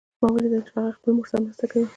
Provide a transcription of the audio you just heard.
ما ولیدل چې هغوی خپل مور سره مرسته کوي